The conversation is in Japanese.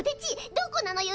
どこなのよ？